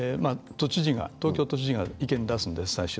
東京都知事が意見を出すんです。